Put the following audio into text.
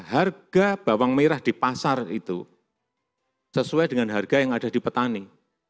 harga bawang merah di pasar itu sesuai dengan harga yang ada di petani